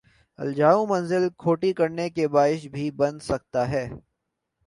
الجھاؤ منزل کھوٹی کرنے کا باعث بھی بن سکتا ہے۔